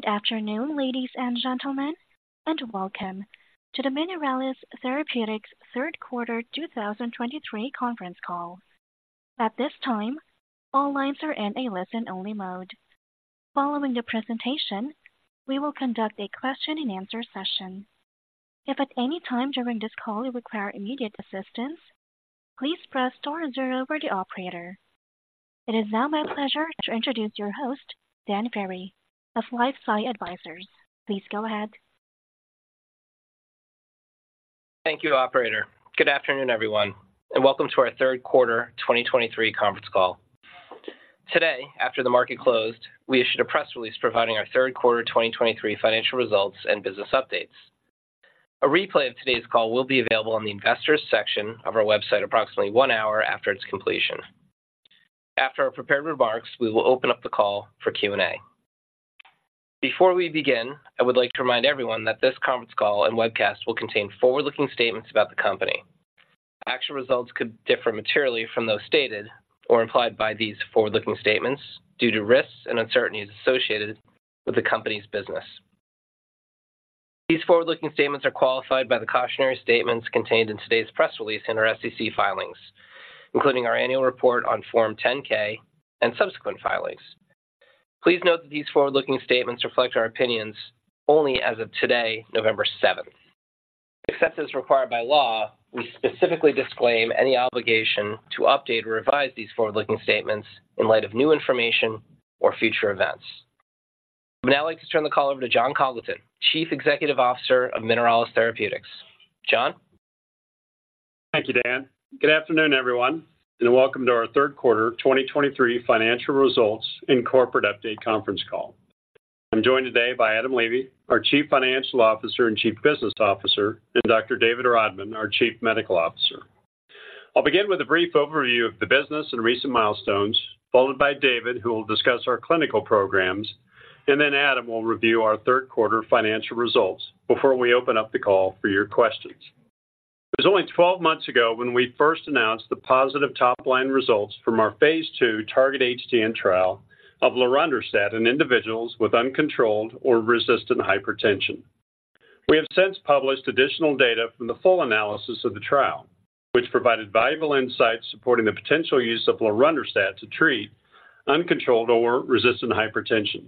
Good afternoon, ladies and gentlemen, and welcome to the Mineralys Therapeutics third quarter 2023 conference call. At this time, all lines are in a listen-only mode. Following the presentation, we will conduct a question-and-answer session. If at any time during this call you require immediate assistance, please press star zero for the operator. It is now my pleasure to introduce your host, Dan Ferry of LifeSci Advisors. Please go ahead. Thank you, operator. Good afternoon, everyone, and welcome to our third quarter 2023 conference call. Today, after the market closed, we issued a press release providing our third quarter 2023 financial results, and business updates. A replay of today's call will be available on the investors section of our website approximately one hour after its completion. After our prepared remarks, we will open up the call for Q&A. Before we begin, I would like to remind everyone that this conference call and webcast will contain forward-looking statements about the company. Actual results could differ materially from those stated or implied by these forward-looking statements due to risks and uncertainties associated with the company's business. These forward-looking statements are qualified by the cautionary statements contained in today's press release in our SEC filings, including our annual report on Form 10-K and subsequent filings. Please note that these forward-looking statements reflect our opinions only as of today, November seventh. Except as required by law, we specifically disclaim any obligation to update or revise these forward-looking statements in light of new information or future events. I would now like to turn the call over to Jon Congleton, Chief Executive Officer of Mineralys Therapeutics. Jon? Thank you, Dan. Good afternoon, everyone, and welcome to our third quarter 2023 financial results and corporate update conference call. I'm joined today by Adam Levy, our Chief Financial Officer and Chief Business Officer, and Dr. David Rodman, our Chief Medical Officer. I'll begin with a brief overview of the business and recent milestones, followed by David, who will discuss our clinical programs, and then Adam will review our third quarter financial results before we open up the call for your questions. It was only 12 months ago when we first announced the positive top-line results from our phase 2 TARGET-HTN trial of lorundrostat in individuals with uncontrolled or resistant hypertension. We have since published additional data from the full analysis of the trial, which provided valuable insights supporting the potential use of lorundrostat to treat uncontrolled or resistant hypertension.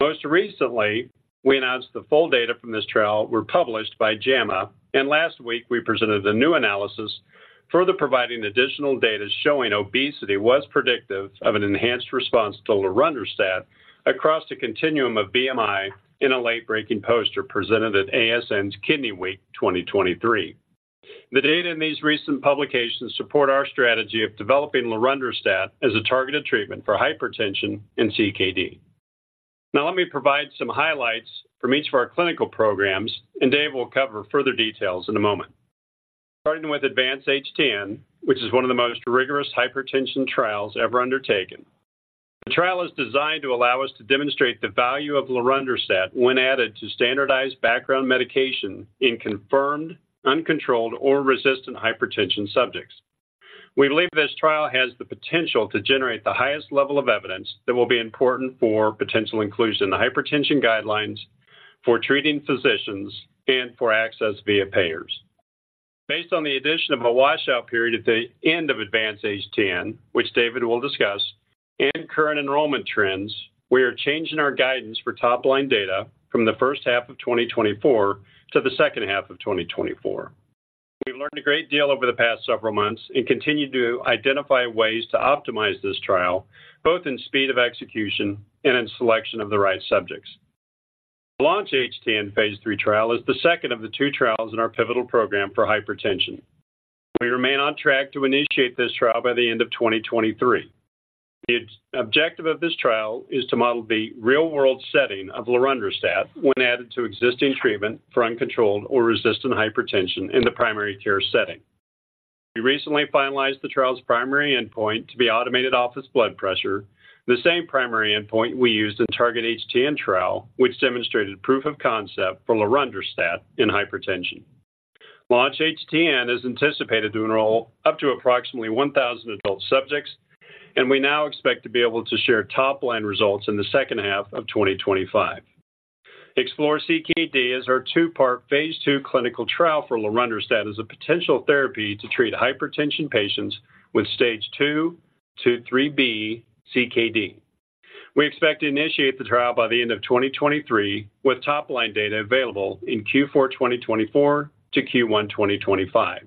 Most recently, we announced the full data from this trial were published by JAMA, and last week we presented a new analysis further providing additional data showing obesity was predictive of an enhanced response to lorundrostat across the continuum of BMI in a late-breaking poster presented at ASN's Kidney Week 2023. The data in these recent publications support our strategy of developing lorundrostat as a targeted treatment for hypertension and CKD. Now, let me provide some highlights from each of our clinical programs, and Dave will cover further details in a moment. Starting with ADVANCE-HTN, which is one of the most rigorous hypertension trials ever undertaken. The trial is designed to allow us to demonstrate the value of lorundrostat when added to standardized background medication in confirmed, uncontrolled, or resistant hypertension subjects. We believe this trial has the potential to generate the highest level of evidence that will be important for potential inclusion in the hypertension guidelines for treating physicians and for access via payers. Based on the addition of a washout period at the end of ADVANCE-HTN, which David will discuss, and current enrollment trends, we are changing our guidance for top-line data from the first half of 2024 to the second half of 2024. We've learned a great deal over the past several months and continue to identify ways to optimize this trial, both in speed of execution and in selection of the right subjects. LAUNCH-HTN phase III trial is the second of the two trials in our pivotal program for hypertension. We remain on track to initiate this trial by the end of 2023. The objective of this trial is to model the real-world setting of lorundrostat when added to existing treatment for uncontrolled or resistant hypertension in the primary care setting. We recently finalized the trial's primary endpoint to be automated office blood pressure, the same primary endpoint we used in TARGET-HTN trial, which demonstrated proof of concept for lorundrostat in hypertension. LAUNCH-HTN is anticipated to enroll up to approximately 1,000 adult subjects, and we now expect to be able to share top-line results in the second half of 2025. EXPLORE-CKD is our two-part phase II clinical trial for lorundrostat as a potential therapy to treat hypertension patients with stage 2 to 3B CKD. We expect to initiate the trial by the end of 2023, with top-line data available in Q4 2024 to Q1 2025.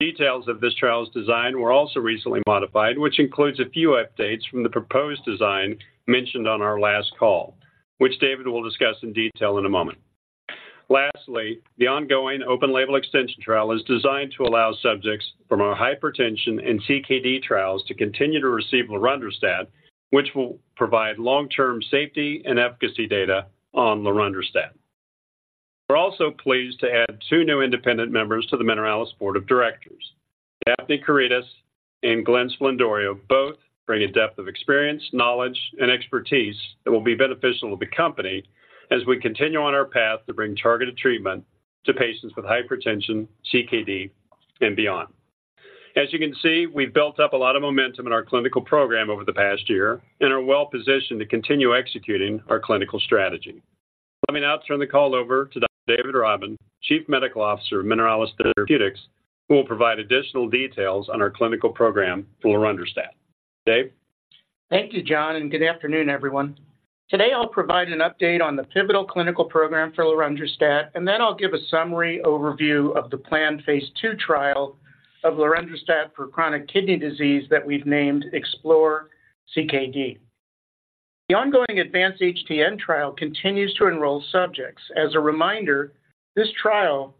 Details of this trial's design were also recently modified, which includes a few updates from the proposed design mentioned on our last call, which David will discuss in detail in a moment. Lastly, the ongoing open label extension trial is designed to allow subjects from our hypertension and CKD trials to continue to receive lorundrostat, which will provide long-term safety and efficacy data on lorundrostat. We're also pleased to add two new independent members to the Mineralys Board of Directors. Daphne Zouras and Glenn Sblendorio both bring a depth of experience, knowledge, and expertise that will be beneficial to the company as we continue on our path to bring targeted treatment to patients with hypertension, CKD, and beyond. As you can see, we've built up a lot of momentum in our clinical program over the past year and are well positioned to continue executing our clinical strategy. Let me now turn the call over to Dr. David Rodman, Chief Medical Officer of Mineralys Therapeutics, who will provide additional details on our clinical program for lorundrostat. Dave? Thank you, Jon, and good afternoon, everyone. Today, I'll provide an update on the pivotal clinical program for lorundrostat, and then I'll give a summary overview of the planned phase II trial of lorundrostat for chronic kidney disease that we've named EXPLORE CKD. The ongoing ADVANCE-HTN trial continues to enroll subjects. As a reminder, this trial,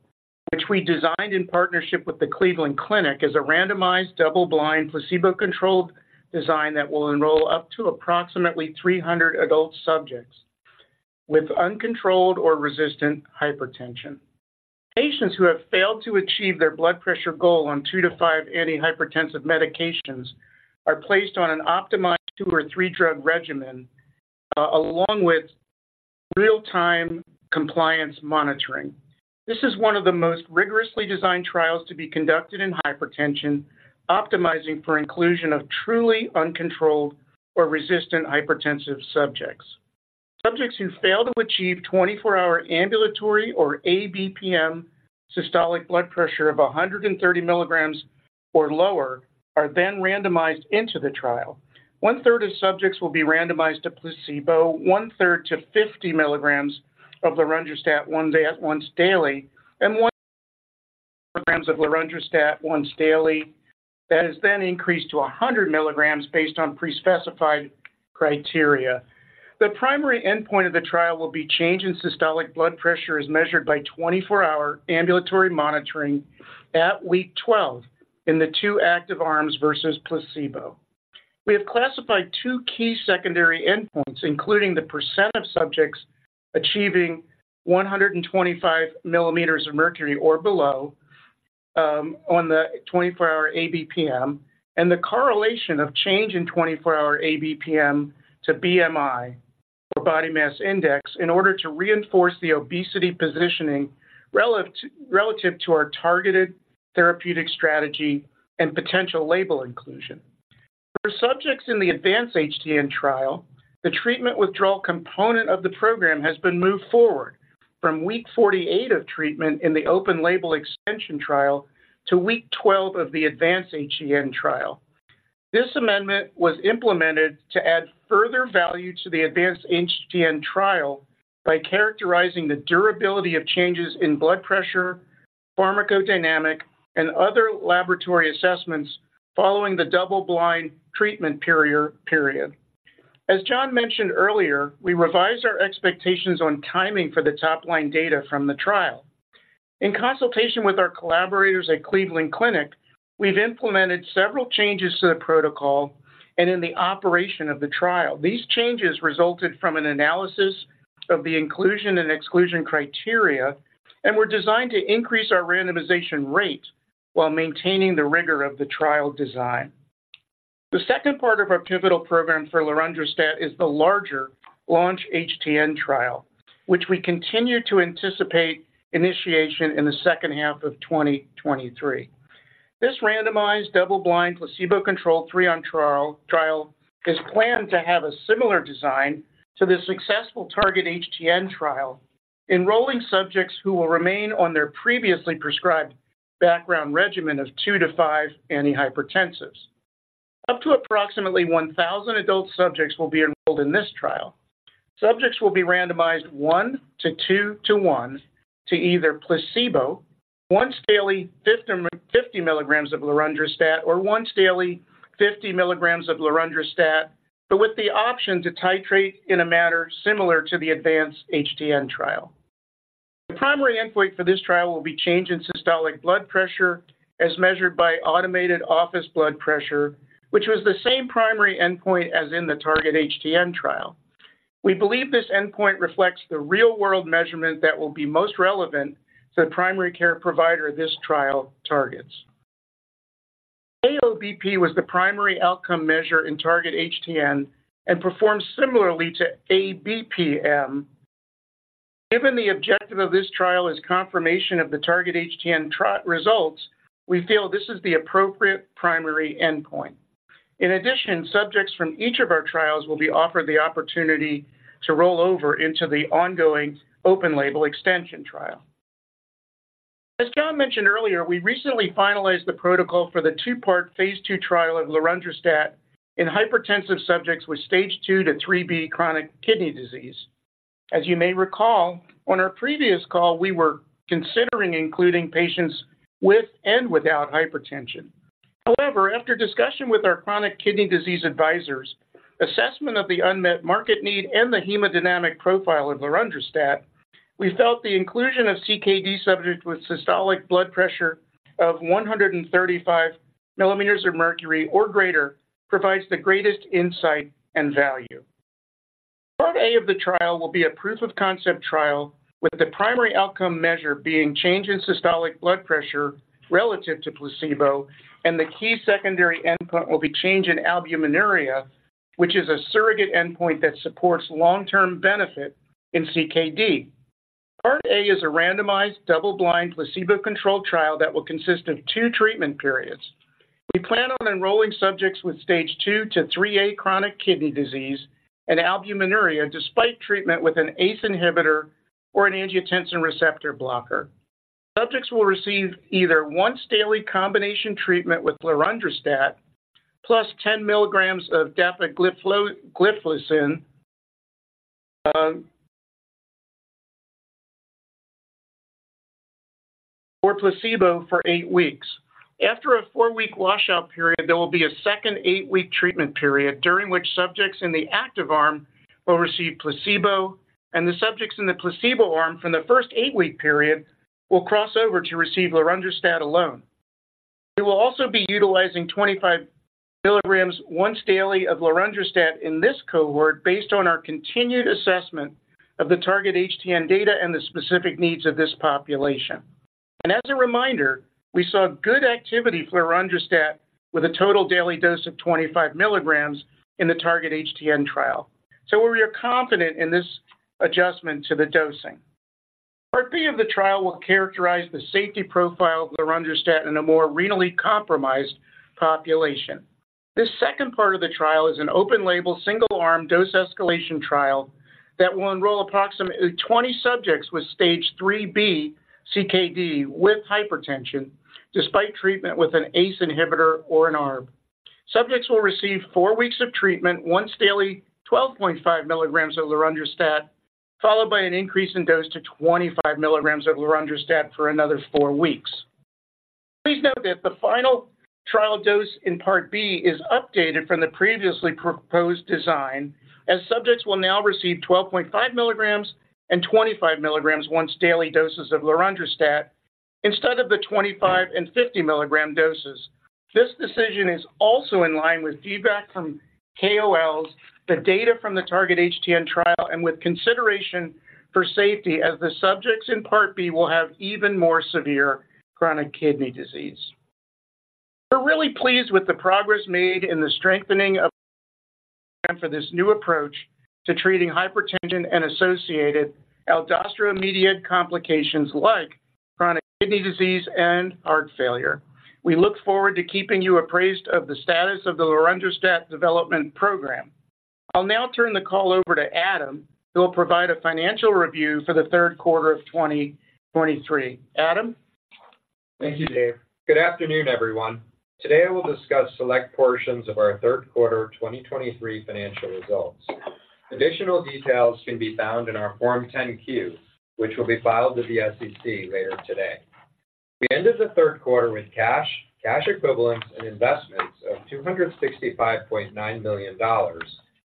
which we designed in partnership with the Cleveland Clinic, is a randomized, double-blind, placebo-controlled design that will enroll up to approximately 300 adult subjects with uncontrolled or resistant hypertension. Patients who have failed to achieve their blood pressure goal on two to five antihypertensive medications are placed on an optimized two or three-drug regimen, along with real-time compliance monitoring. This is one of the most rigorously designed trials to be conducted in hypertension, optimizing for inclusion of truly uncontrolled or resistant hypertensive subjects. Subjects who fail to achieve 24-hour ambulatory or ABPM systolic blood pressure of 130 mmHg or lower are then randomized into the trial. 1/3 of subjects will be randomized to placebo, 1/3 to 50 mg of lorundrostat once daily, and 1 mg of lorundrostat once daily, that is then increased to 100 milligrams based on pre-specified criteria. The primary endpoint of the trial will be change in systolic blood pressure, as measured by 24-hour ambulatory monitoring at week 12 in the two active arms versus placebo. We have classified two key secondary endpoints, including the percent of subjects achieving 125 millimeters of mercury or below on the 24-hour ABPM, and the correlation of change in 24-hour ABPM to BMI, or body mass index, in order to reinforce the obesity positioning relative, relative to our targeted therapeutic strategy and potential label inclusion. For subjects in the ADVANCE-HTN trial, the treatment withdrawal component of the program has been moved forward from week 48 of treatment in the open label extension trial to week 12 of the ADVANCE-HTN trial. This amendment was implemented to add further value to the ADVANCE-HTN trial by characterizing the durability of changes in blood pressure, pharmacodynamic, and other laboratory assessments following the double-blind treatment period. As John mentioned earlier, we revised our expectations on timing for the top-line data from the trial. In consultation with our collaborators at Cleveland Clinic, we've implemented several changes to the protocol and in the operation of the trial. These changes resulted from an analysis of the inclusion and exclusion criteria and were designed to increase our randomization rate while maintaining the rigor of the trial design. The second part of our pivotal program for lorundrostat is the larger LAUNCH-HTN trial, which we continue to anticipate initiation in the second half of 2023. This randomized, double-blind, placebo-controlled three-arm trial is planned to have a similar design to the successful TARGET-HTN trial, enrolling subjects who will remain on their previously prescribed background regimen of 2-5 antihypertensives. Up to approximately 1,000 adult subjects will be enrolled in this trial. Subjects will be randomized 1 to 2 to 1 to either placebo, once daily 50 mg of lorundrostat, or once daily 50 mg of lorundrostat, but with the option to titrate in a manner similar to the ADVANCE-HTN trial. The primary endpoint for this trial will be change in systolic blood pressure as measured by automated office blood pressure, which was the same primary endpoint as in the TARGET-HTN trial. We believe this endpoint reflects the real-world measurement that will be most relevant to the primary care provider this trial targets. AOBP was the primary outcome measure in TARGET-HTN and performed similarly to ABPM. Given the objective of this trial is confirmation of the TARGET-HTN trial results, we feel this is the appropriate primary endpoint. In addition, subjects from each of our trials will be offered the opportunity to roll over into the ongoing open label extension trial. As Jon mentioned earlier, we recently finalized the protocol for the two-part Phase II trial of lorundrostat in hypertensive subjects with Stage 2 to 3B chronic kidney disease. As you may recall, on our previous call, we were considering including patients with and without hypertension. However, after discussion with our chronic kidney disease advisors, assessment of the unmet market need, and the hemodynamic profile of lorundrostat, we felt the inclusion of CKD subjects with systolic blood pressure of 135 millimeters of mercury or greater provides the greatest insight and value. Part A of the trial will be a proof of concept trial, with the primary outcome measure being change in systolic blood pressure relative to placebo, and the key secondary endpoint will be change in albuminuria, which is a surrogate endpoint that supports long-term benefit in CKD. Part A is a randomized, double-blind, placebo-controlled trial that will consist of two treatment periods. We plan on enrolling subjects with Stage 2 to IIIa chronic kidney disease and albuminuria, despite treatment with an ACE inhibitor or an angiotensin receptor blocker. Subjects will receive either once-daily combination treatment with lorundrostat, plus 10 milligrams of dapagliflozin, or placebo for 8 weeks. After a 4-week washout period, there will be a second 8-week treatment period during which subjects in the active arm will receive placebo, and the subjects in the placebo arm from the first 8-week period will cross over to receive lorundrostat alone. We will also be utilizing 25 milligrams once daily of lorundrostat in this cohort based on our continued assessment of the TARGET-HTN data and the specific needs of this population. As a reminder, we saw good activity for lorundrostat with a total daily dose of 25 milligrams in the TARGET-HTN trial. So we are confident in this adjustment to the dosing. Part B of the trial will characterize the safety profile of lorundrostat in a more renally compromised population. This second part of the trial is an open-label, single-arm dose escalation trial that will enroll approximately 20 subjects with Stage 3B CKD with hypertension, despite treatment with an ACE inhibitor or an ARB. Subjects will receive four weeks of treatment, once daily, 12.5 milligrams of lorundrostat, followed by an increase in dose to 25 milligrams of lorundrostat for another four weeks. Please note that the final trial dose in Part B is updated from the previously proposed design, as subjects will now receive 12.5 milligrams and 25 milligrams once daily doses of lorundrostat instead of the 25- and 50-milligram doses. This decision is also in line with feedback from KOLs, the data from the TARGET-HTN trial, and with consideration for safety, as the subjects in Part B will have even more severe chronic kidney disease. We're really pleased with the progress made in the strengthening of... for this new approach to treating hypertension and associated aldosterone-mediated complications like chronic kidney disease and heart failure. We look forward to keeping you appraised of the status of the lorundrostat development program. I'll now turn the call over to Adam, who will provide a financial review for the third quarter of 2023. Adam? Thank you, Dave. Good afternoon, everyone. Today I will discuss select portions of our third quarter 2023 financial results. Additional details can be found in our Form 10-Q, which will be filed with the SEC later today. We ended the third quarter with cash, cash equivalents, and investments of $265.9 million,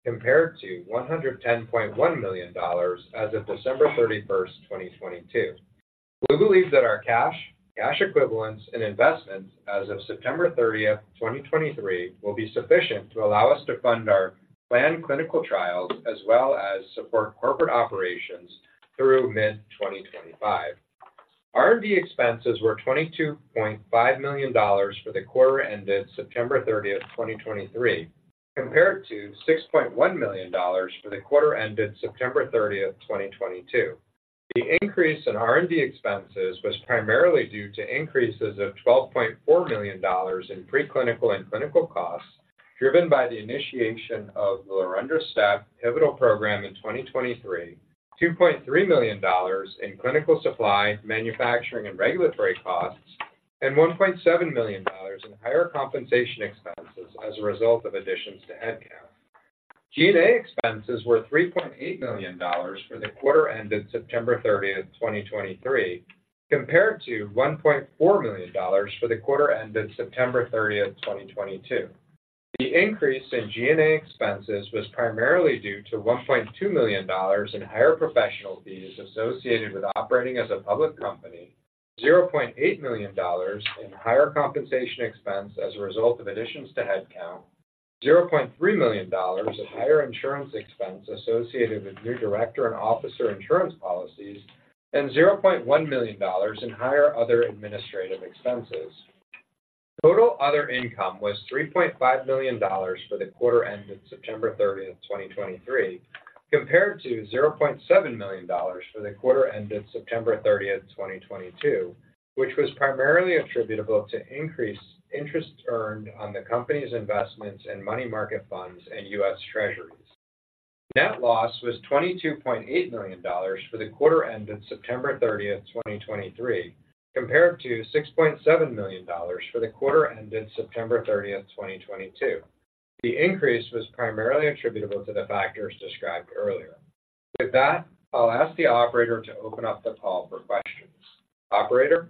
compared to $110.1 million as of December 31, 2022. We believe that our cash, cash equivalents, and investments as of September 30, 2023, will be sufficient to allow us to fund our planned clinical trials, as well as support corporate operations through mid-2025. R&D expenses were $22.5 million for the quarter ended September 30, 2023, compared to $6.1 million for the quarter ended September 30, 2022. The increase in R&D expenses was primarily due to increases of $12.4 million in preclinical and clinical costs, driven by the initiation of the lorundrostat pivotal program in 2023, $2.3 million in clinical supply, manufacturing, and regulatory costs, and $1.7 million in higher compensation expenses as a result of additions to headcount. G&A expenses were $3.8 million for the quarter ended September 30, 2023, compared to $1.4 million for the quarter ended September 30, 2022. The increase in G&A expenses was primarily due to $1.2 million in higher professional fees associated with operating as a public company, $0.8 million in higher compensation expense as a result of additions to headcount, $0.3 million in higher insurance expense associated with new director and officer insurance policies, and $0.1 million in higher other administrative expenses. Total other income was $3.5 million for the quarter ended September 30, 2023, compared to $0.7 million for the quarter ended September 30, 2022, which was primarily attributable to increased interest earned on the company's investments in money market funds and U.S. Treasuries. Net loss was $22.8 million for the quarter ended September thirtieth, 2023, compared to $6.7 million for the quarter ended September thirtieth, 2022. The increase was primarily attributable to the factors described earlier. With that, I'll ask the operator to open up the call for questions. Operator?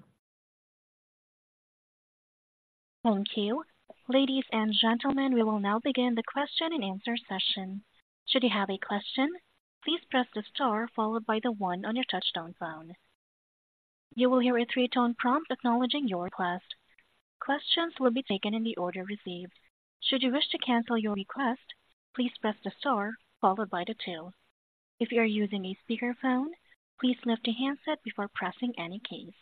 Thank you. Ladies and gentlemen, we will now begin the question-and-answer session. Should you have a question, please press the star followed by the one on your touchtone phone. You will hear a three-tone prompt acknowledging your request. Questions will be taken in the order received. Should you wish to cancel your request, please press the star followed by the two. If you are using a speakerphone, please lift the handset before pressing any keys....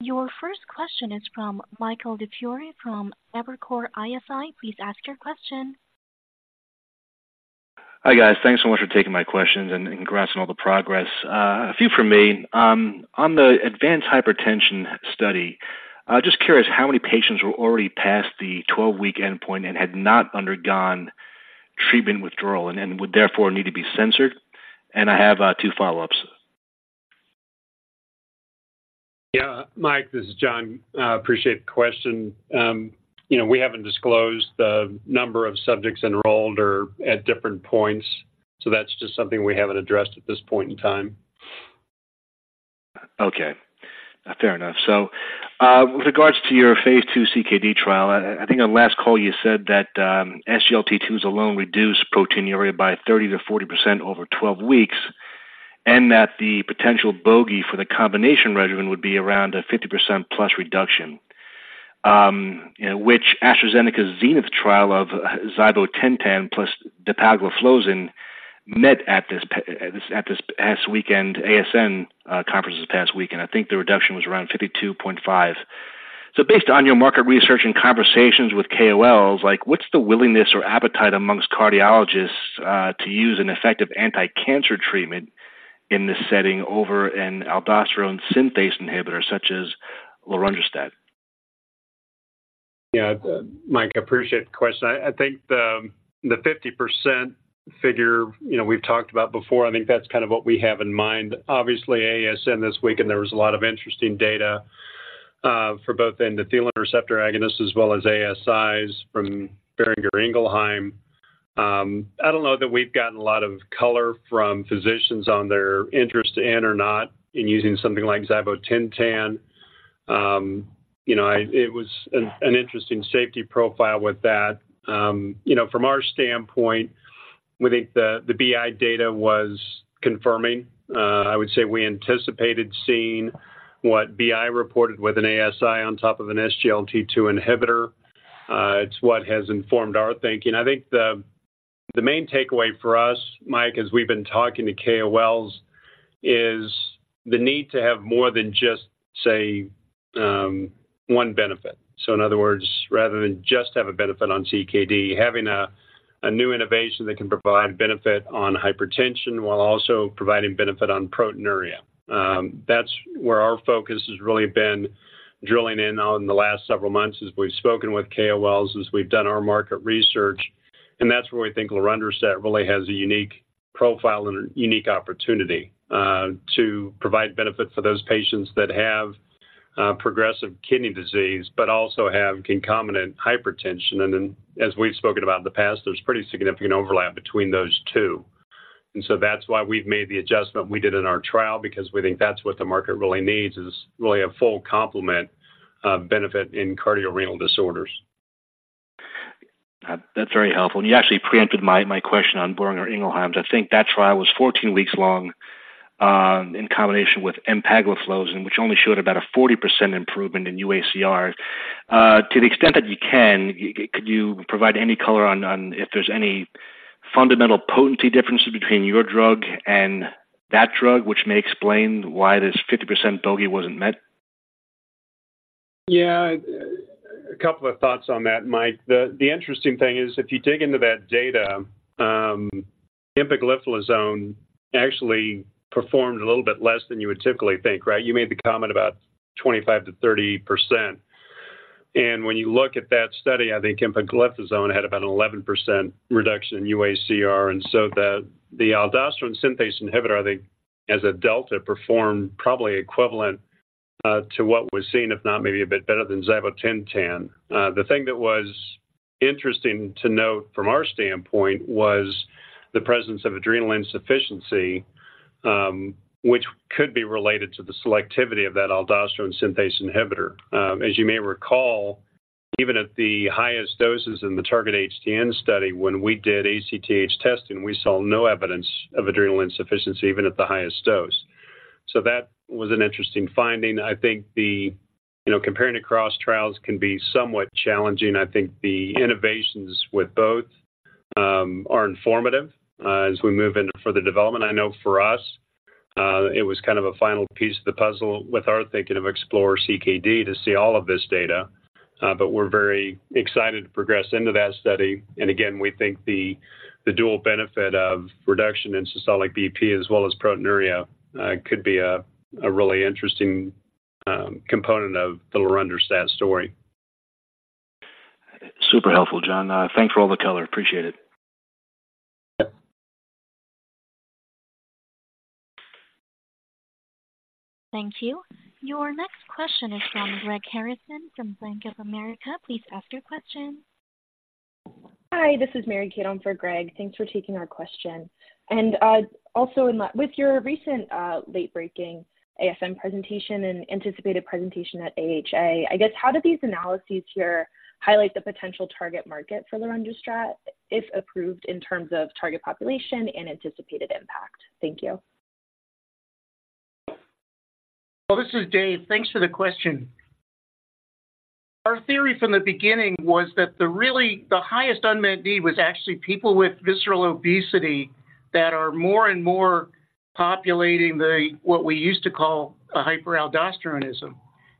Your first question is from Michael DiFiore from Evercore ISI. Please ask your question. Hi, guys. Thanks so much for taking my questions and congrats on all the progress. A few from me. On the ADVANCE-HTN trial, just curious, how many patients were already past the 12-week endpoint and had not undergone treatment withdrawal and would therefore need to be censored? And I have two follow-ups. Yeah. Mike, this is Jon. I appreciate the question. You know, we haven't disclosed the number of subjects enrolled or at different points, so that's just something we haven't addressed at this point in time. Okay, fair enough. So, with regards to your phase II CKD trial, I think on last call you said that SGLT2s alone reduced proteinuria by 30%-40% over 12 weeks, and that the potential bogey for the combination regimen would be around a 50%+ reduction. You know, which AstraZeneca's Zenith trial of zibotentan plus dapagliflozin met at this past weekend's ASN conference this past week, and I think the reduction was around 52.5. So based on your market research and conversations with KOLs, like, what's the willingness or appetite among cardiologists to use an effective anticancer treatment in this setting over an aldosterone synthase inhibitor such as lorundrostat? Yeah. Mike, I appreciate the question. I think the 50% figure, you know, we've talked about before, I think that's kind of what we have in mind. Obviously, ASN this week, and there was a lot of interesting data for both the endothelin receptor antagonist as well as ASIs from Boehringer Ingelheim. I don't know that we've gotten a lot of color from physicians on their interest in or not in using something like zibotentan. You know, it was an interesting safety profile with that. You know, from our standpoint, we think the BI data was confirming. I would say we anticipated seeing what BI reported with an ASI on top of an SGLT2 inhibitor. It's what has informed our thinking. I think the main takeaway for us, Mike, as we've been talking to KOLs, is the need to have more than just, say, one benefit. So in other words, rather than just have a benefit on CKD, having a new innovation that can provide benefit on hypertension while also providing benefit on proteinuria. That's where our focus has really been drilling in on the last several months as we've spoken with KOLs, as we've done our market research, and that's where we think lorundrostat really has a unique profile and a unique opportunity to provide benefit for those patients that have progressive kidney disease but also have concomitant hypertension. And then, as we've spoken about in the past, there's pretty significant overlap between those two. And so that's why we've made the adjustment we did in our trial, because we think that's what the market really needs, is really a full complement of benefit in cardiorenal disorders. That's very helpful, and you actually preempted my, my question on Boehringer Ingelheim. I think that trial was 14 weeks long, in combination with empagliflozin, which only showed about a 40% improvement in UACR. To the extent that you can, could you provide any color on, on if there's any fundamental potency differences between your drug and that drug, which may explain why this 50% bogey wasn't met? Yeah. A couple of thoughts on that, Mike. The interesting thing is, if you dig into that data, empagliflozin actually performed a little bit less than you would typically think, right? You made the comment about 25%-30%, and when you look at that study, I think empagliflozin had about 11% reduction in UACR. And so the aldosterone synthase inhibitor, I think, as a delta, performed probably equivalent to what was seen, if not maybe a bit better than zibotentan. The thing that was interesting to note from our standpoint was the presence of adrenal insufficiency, which could be related to the selectivity of that aldosterone synthase inhibitor. As you may recall, even at the highest doses in the TARGET-HTN study, when we did ACTH testing, we saw no evidence of adrenal insufficiency even at the highest dose. That was an interesting finding. I think. You know, comparing across trials can be somewhat challenging. I think the innovations with both are informative as we move into further development. I know for us it was kind of a final piece of the puzzle with our thinking of EXPLORE-CKD to see all of this data. But we're very excited to progress into that study. And again, we think the dual benefit of reduction in systolic BP as well as proteinuria could be a really interesting component of the lorundrostat story. Super helpful, John. Thanks for all the color. Appreciate it. Yep. Thank you. Your next question is from Greg Harrison from Bank of America. Please ask your question. Hi, this is Mary Kate on for Greg. Thanks for taking our question. Also in line with your recent, late-breaking ASN presentation and anticipated presentation at AHA, I guess, how do these analyses here highlight the potential target market for lorundrostat, if approved, in terms of target population and anticipated impact? Thank you. Well, this is Dave. Thanks for the question. Our theory from the beginning was that the really, the highest unmet need was actually people with visceral obesity that are more and more populating the, what we used to call a hyperaldosteronism.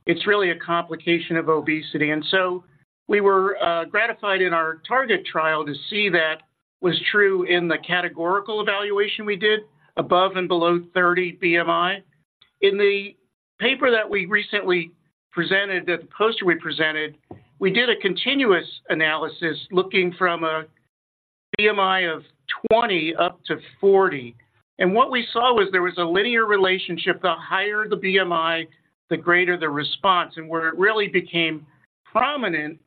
It's really a complication of obesity. And so we were gratified in our target trial to see that was true in the categorical evaluation we did above and below 30 BMI. In the paper that we recently presented, the poster we presented, we did a continuous analysis looking from a BMI of 20 up to 40. And what we saw was there was a linear relationship. The higher the BMI, the greater the response. And where it really became prominent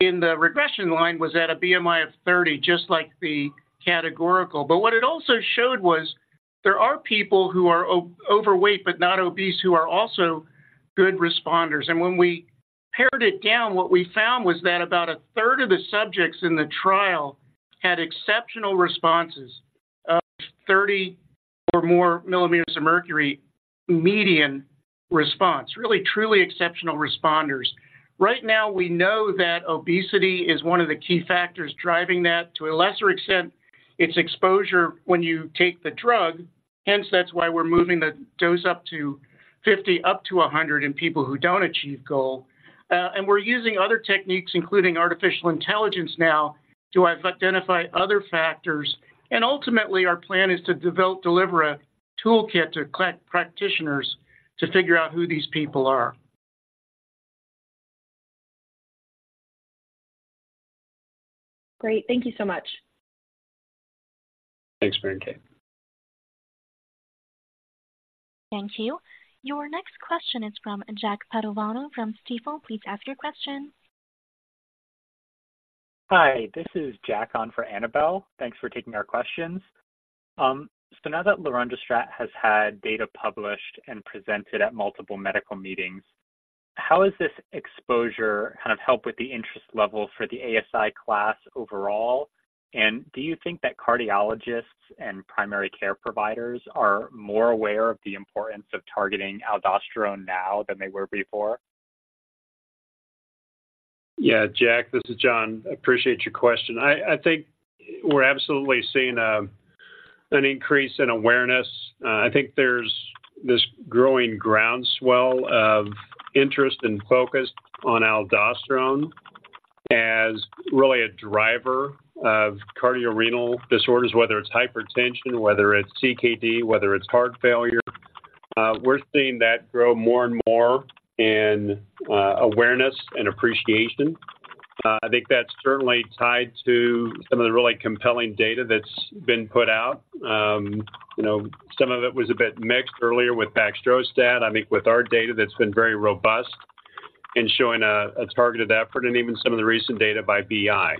in the regression line was at a BMI of 30, just like the categorical. But what it also showed was there are people who are overweight but not obese, who are also good responders. And when we pared it down, what we found was that about a third of the subjects in the trial had exceptional responses of 30 or more millimeters of mercury median response. Really, truly exceptional responders. Right now, we know that obesity is one of the key factors driving that. To a lesser extent, it's exposure when you take the drug. Hence, that's why we're moving the dose up to 50, up to 100 in people who don't achieve goal. And we're using other techniques, including artificial intelligence now, to identify other factors. And ultimately, our plan is to develop, deliver a toolkit to clinical practitioners to figure out who these people are. Great, thank you so much. Thanks, Mary Kate. Thank you. Your next question is from Jack Padovano from Stifel. Please ask your question. Hi, this is Jack on for Annabele. Thanks for taking our questions. So now that lorundrostat has had data published and presented at multiple medical meetings, how has this exposure kind of helped with the interest level for the ASI class overall? And do you think that cardiologists and primary care providers are more aware of the importance of targeting aldosterone now than they were before? Yeah, Jack, this is Jon. I appreciate your question. I think we're absolutely seeing an increase in awareness. I think there's this growing groundswell of interest and focus on aldosterone as really a driver of cardiorenal disorders, whether it's hypertension, whether it's CKD, whether it's heart failure. We're seeing that grow more and more in awareness and appreciation. I think that's certainly tied to some of the really compelling data that's been put out. You know, some of it was a bit mixed earlier with baxdrostat. I think with our data, that's been very robust in showing a targeted effort and even some of the recent data by BI.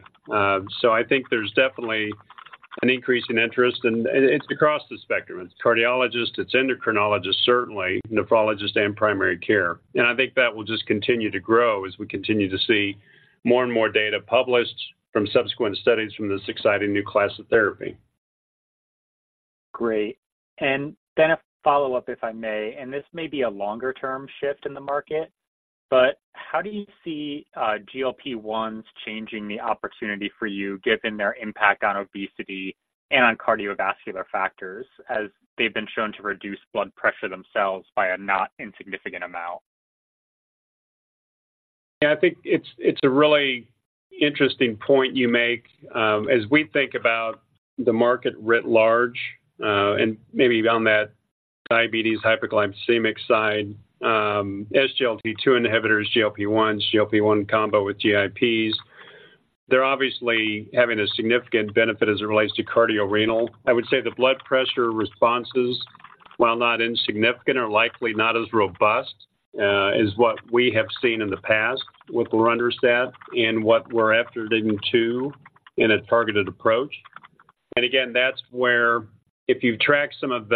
So I think there's definitely an increase in interest, and it's across the spectrum. It's cardiologists, it's endocrinologists, certainly nephrologists and primary care. I think that will just continue to grow as we continue to see more and more data published from subsequent studies from this exciting new class of therapy. Great. And then a follow-up, if I may, and this may be a longer-term shift in the market, but how do you see GLP-1s changing the opportunity for you, given their impact on obesity and on cardiovascular factors, as they've been shown to reduce blood pressure themselves by a not insignificant amount? Yeah, I think it's a really interesting point you make. As we think about the market writ large, and maybe on that diabetes hyperglycemic side, SGLT2 inhibitors, GLP-1, GLP-1 combo with GIPs, they're obviously having a significant benefit as it relates to cardiorenal. I would say the blood pressure responses, while not insignificant, are likely not as robust as what we have seen in the past with lorundrostat and what we're after in two in a targeted approach. And again, that's where if you've tracked some of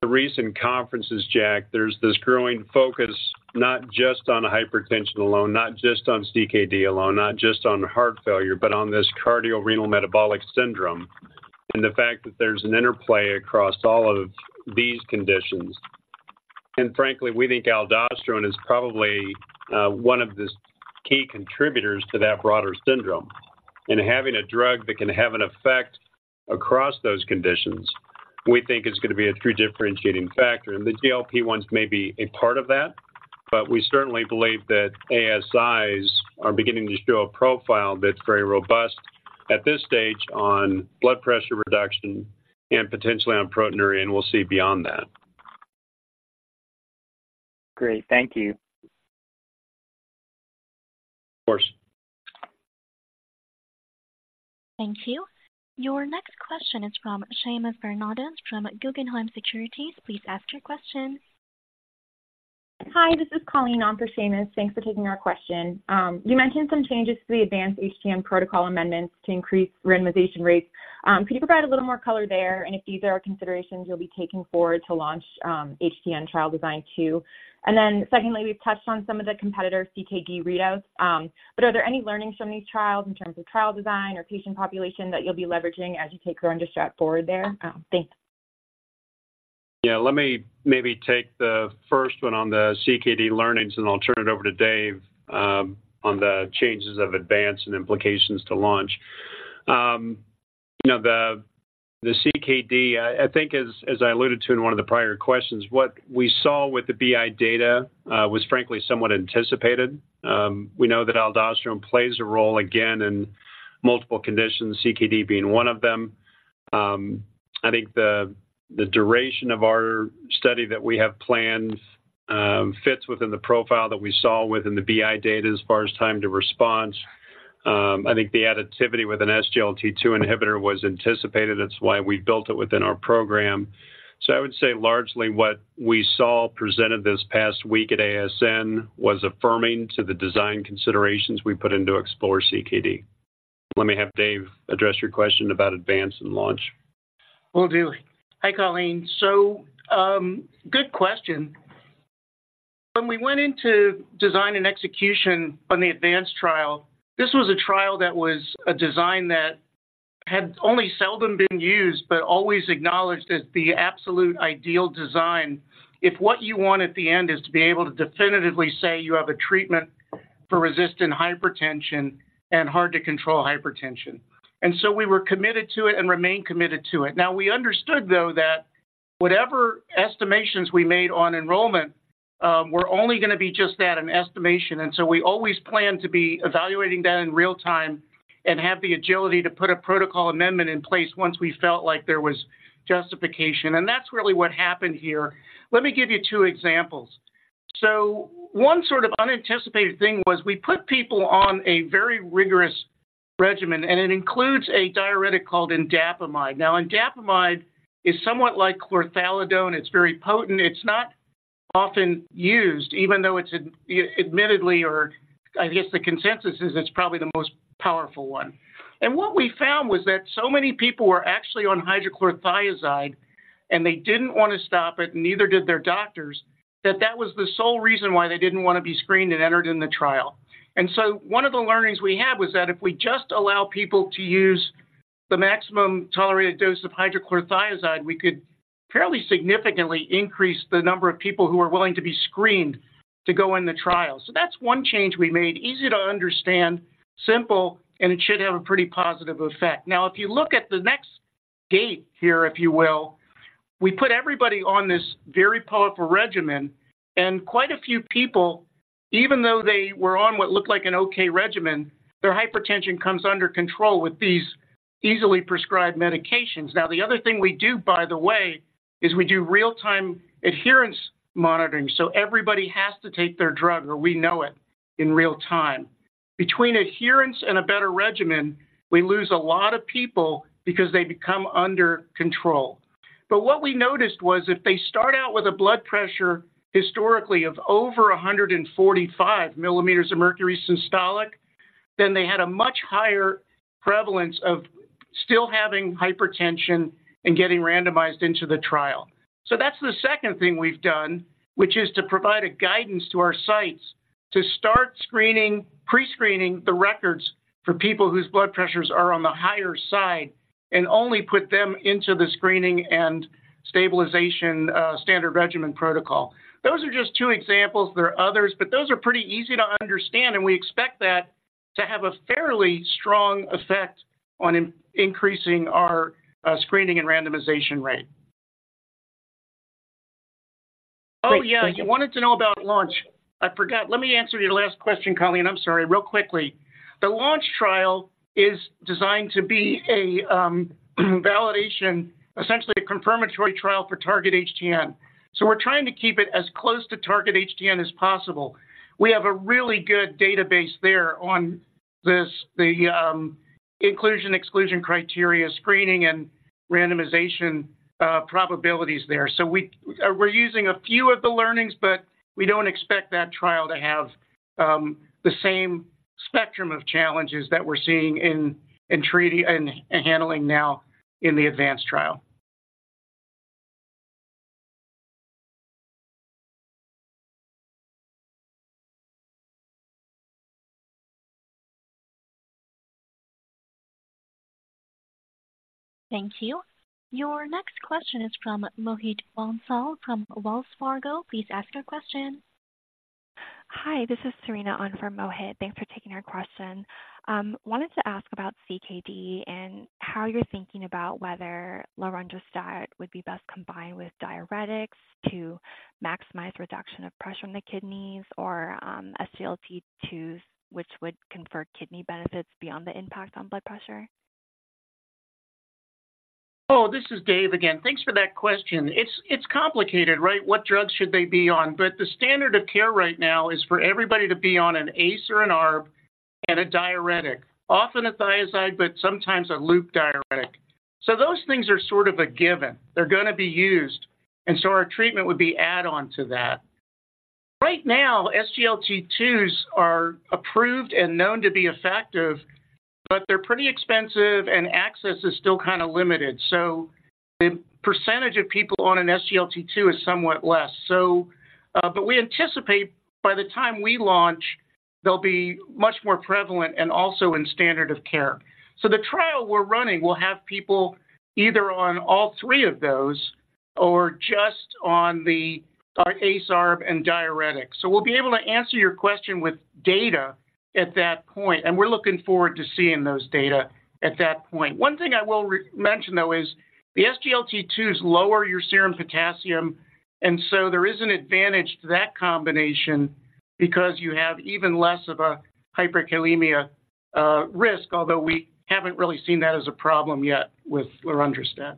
the recent conferences, Jack, there's this growing focus not just on hypertension alone, not just on CKD alone, not just on heart failure, but on this cardiorenal metabolic syndrome and the fact that there's an interplay across all of these conditions. And frankly, we think aldosterone is probably one of the key contributors to that broader syndrome. And having a drug that can have an effect across those conditions, we think is going to be a true differentiating factor. And the GLP-1s may be a part of that, but we certainly believe that ASIs are beginning to show a profile that's very robust at this stage on blood pressure reduction and potentially on proteinuria, and we'll see beyond that. Great. Thank you. Of course. Thank you. Your next question is from Seamus Fernandez from Guggenheim Securities. Please ask your question. Hi, this is Colleen on for Seamus. Thanks for taking our question. You mentioned some changes to the ADVANCE-HTN protocol amendments to increase randomization rates. Could you provide a little more color there and if these are considerations you'll be taking forward to LAUNCH-HTN trial design too? And then secondly, we've touched on some of the competitor CKD readouts, but are there any learnings from these trials in terms of trial design or patient population that you'll be leveraging as you take lorundrostat forward there? Thanks. ... Yeah, let me maybe take the first one on the CKD learnings, and I'll turn it over to Dave on the changes of ADVANCE and implications to LAUNCH. You know, the CKD, I think as I alluded to in one of the prior questions, what we saw with the BI data was frankly somewhat anticipated. We know that aldosterone plays a role again in multiple conditions, CKD being one of them. I think the duration of our study that we have planned fits within the profile that we saw within the BI data as far as time to response. I think the additivity with an SGLT2 inhibitor was anticipated. That's why we built it within our program. So I would say largely what we saw presented this past week at ASN was affirming to the design considerations we put into EXPLORE-CKD. Let me have Dave address your question about ADVANCE and LAUNCH. Will do. Hi, Colleen. So, good question. When we went into design and execution on the ADVANCE trial, this was a trial that was a design that had only seldom been used but always acknowledged as the absolute ideal design if what you want at the end is to be able to definitively say you have a treatment for resistant hypertension and hard-to-control hypertension. And so we were committed to it and remain committed to it. Now, we understood, though, that whatever estimations we made on enrollment were only going to be just that, an estimation. And so we always planned to be evaluating that in real time and have the agility to put a protocol amendment in place once we felt like there was justification. And that's really what happened here. Let me give you two examples. So one sort of unanticipated thing was we put people on a very rigorous regimen, and it includes a diuretic called indapamide. Now, indapamide is somewhat like chlorthalidone. It's very potent. It's not often used, even though it's admittedly, or I guess the consensus is it's probably the most powerful one. What we found was that so many people were actually on hydrochlorothiazide, and they didn't want to stop it, neither did their doctors, that that was the sole reason why they didn't want to be screened and entered in the trial. One of the learnings we had was that if we just allow people to use the maximum tolerated dose of hydrochlorothiazide, we could fairly significantly increase the number of people who are willing to be screened to go in the trial. That's one change we made. Easy to understand, simple, and it should have a pretty positive effect. Now, if you look at the next gate here, if you will, we put everybody on this very powerful regimen, and quite a few people, even though they were on what looked like an okay regimen, their hypertension comes under control with these easily prescribed medications. Now, the other thing we do, by the way, is we do real-time adherence monitoring. So everybody has to take their drug, or we know it in real time. Between adherence and a better regimen, we lose a lot of people because they become under control. But what we noticed was if they start out with a blood pressure historically of over 145 millimeters of mercury systolic, then they had a much higher prevalence of still having hypertension and getting randomized into the trial. So that's the second thing we've done, which is to provide a guidance to our sites to start screening, pre-screening the records for people whose blood pressures are on the higher side and only put them into the screening and stabilization, standard regimen protocol. Those are just two examples. There are others, but those are pretty easy to understand, and we expect that to have a fairly strong effect on increasing our screening and randomization rate. Oh, yeah, you wanted to know about LAUNCH-HTN. I forgot. Let me answer your last question, Colleen. I'm sorry. Real quickly. The LAUNCH-HTN trial is designed to be a validation, essentially a confirmatory trial for TARGET-HTN. So we're trying to keep it as close to TARGET-HTN as possible. We have a really good database there on this, the inclusion, exclusion criteria, screening, and randomization probabilities there. So we're using a few of the learnings, but we don't expect that trial to have the same spectrum of challenges that we're seeing in treating and handling now in the ADVANCE trial. Thank you. Your next question is from Mohit Bansal from Wells Fargo. Please ask your question. Hi, this is Serena on for Mohit. Thanks for taking our question. Wanted to ask about CKD and how you're thinking about whether lorundrostat would be best combined with diuretics to maximize reduction of pressure on the kidneys or, SGLT2, which would confer kidney benefits beyond the impact on blood pressure? Oh, this is Dave again. Thanks for that question. It's, it's complicated, right? What drugs should they be on? But the standard of care right now is for everybody to be on an ACE or an ARB and a diuretic, often a thiazide, but sometimes a loop diuretic. So those things are sort of a given. They're going to be used, and so our treatment would be add-on to that. Right now, SGLT2s are approved and known to be effective, but they're pretty expensive, and access is still kind of limited. So the percentage of people on an SGLT2 is somewhat less. So, but we anticipate by the time we launch, they'll be much more prevalent and also in standard of care. So the trial we're running will have people either on all three of those or just on the, our ACE, ARB, and diuretic. So we'll be able to answer your question with data at that point, and we're looking forward to seeing those data at that point. One thing I will re-mention, though, is the SGLT2s lower your serum potassium, and so there is an advantage to that combination because you have even less of a hyperkalemia risk, although we haven't really seen that as a problem yet with lorundrostat.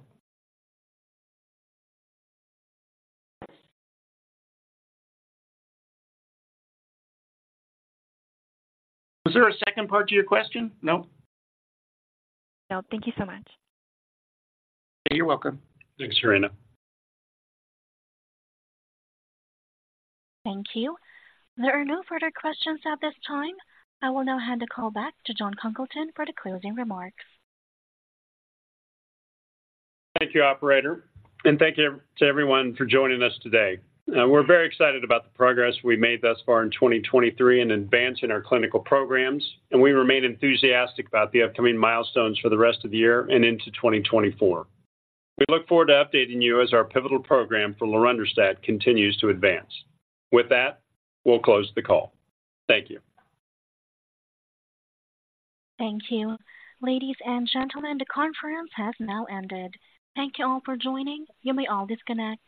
Was there a second part to your question? No? No. Thank you so much. You're welcome. Thanks, Serena. Thank you. There are no further questions at this time. I will now hand the call back to Jon Congleton for the closing remarks. Thank you, operator, and thank you to everyone for joining us today. We're very excited about the progress we made thus far in 2023 and advancing our clinical programs, and we remain enthusiastic about the upcoming milestones for the rest of the year and into 2024. We look forward to updating you as our pivotal program for lorundrostat continues to advance. With that, we'll close the call. Thank you. Thank you. Ladies and gentlemen, the conference has now ended. Thank you all for joining. You may all disconnect.